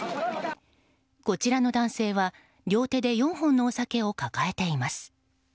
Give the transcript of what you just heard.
こちらの男性は両手で４本のお酒を抱えています。